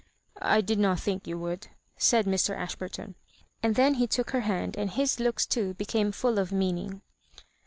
" I did not chink you would," said Mr. Ashburtou; and then he took her hand, and his looks too became full of meaning.